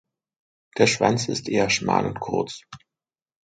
Der Schwanz ist eher schmal und kurz.